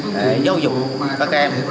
để giáo dục các em